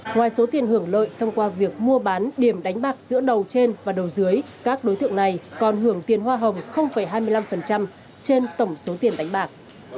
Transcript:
ngoài số tiền hưởng lợi thông qua việc mua bán điểm đánh bạc giữa đầu trên và đầu dưới các đối tượng này còn hưởng tiền hoa hồng hai mươi năm trên tổng số tiền đánh bạc